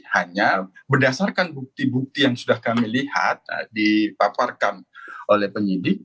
hanya berdasarkan bukti bukti yang sudah kami lihat dipaparkan oleh penyidik